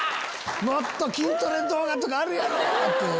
「もっと筋トレ動画とかあるやろ！」。